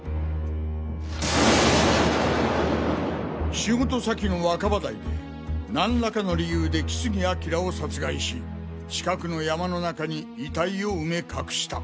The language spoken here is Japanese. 仕事先の若葉台で何らかの理由で木杉彬を殺害し近くの山の中に遺体を埋め隠した。